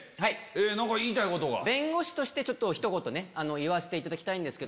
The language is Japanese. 弁護士としてひと言言わせていただきたいんです。